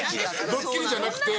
ドッキリじゃなくて。